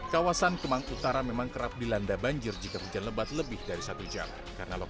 kawasan kemang utara memang kerap dilanda banjir jika hujan lebat lebih dari satu jam